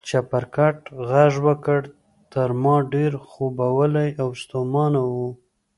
چپرکټ غږ وکړ، تر ما ډېر خوبولی او ستومانه و.